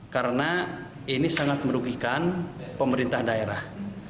karena ini sangat merugikan pemerintah daerah